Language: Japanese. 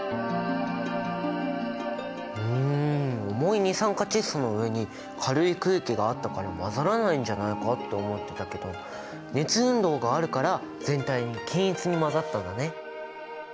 うん重い二酸化窒素の上に軽い空気があったから混ざらないんじゃないかって思ってたけど熱運動があるから全体に均一に混ざったんだね！